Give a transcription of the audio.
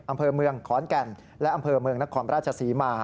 อำเภอเมืองขอนแก่นและอำเภอเมืองนครราชศรีมา